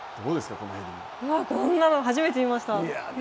こんなの初めて見ました。